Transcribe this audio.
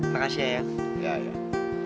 makasih ya ayang